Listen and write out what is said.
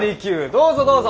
どうぞどうぞ。